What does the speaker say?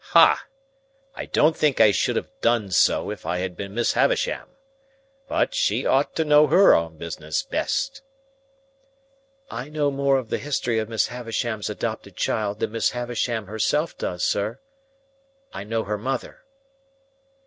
"Hah! I don't think I should have done so, if I had been Miss Havisham. But she ought to know her own business best." "I know more of the history of Miss Havisham's adopted child than Miss Havisham herself does, sir. I know her mother."